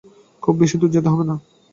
খুব বেশি দূর যেতে হবে না।